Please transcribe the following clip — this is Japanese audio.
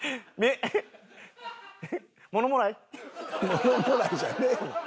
ものもらいじゃねえよ。